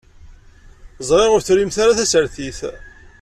Ẓriɣ ur trimt ara tasertit.